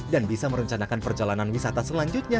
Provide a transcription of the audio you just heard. dan bisa merencanakan perjalanan wisata selanjutnya